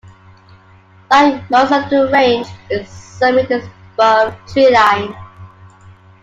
Like most of the range, its summit is above treeline.